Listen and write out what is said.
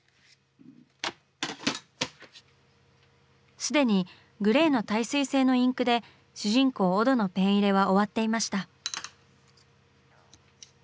既にグレーの耐水性のインクで主人公オドのペン入れは終わっていました。